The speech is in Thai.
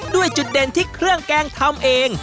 ด้วยจุดเด่นที่เครื่องแกงทำเอง